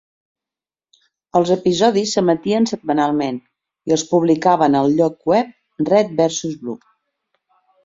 Els episodis s'emetien setmanalment i els publicaven al lloc web Red versus Blue.